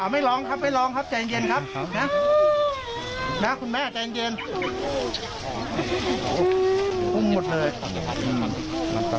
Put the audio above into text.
ไม่ลองครับใจเย็นครับ